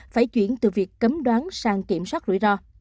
phải chuyển từ việc cấm đoán sang kiểm soát rủi ro